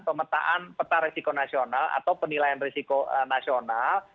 pemertaan peta risiko nasional atau penilaian risiko nasional